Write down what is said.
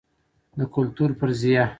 د کلتور فرضیه